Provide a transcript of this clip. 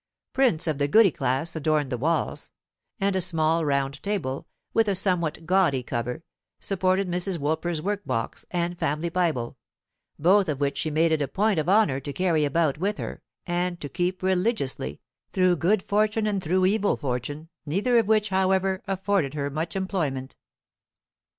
Prints of the goody class adorned the walls; and a small round table, with a somewhat gaudy cover, supported Mrs. Woolper's work box and family Bible, both of which she made it a point of honour to carry about with her, and to keep religiously, through good fortune and through evil fortune; neither of which, however, afforded her much employment.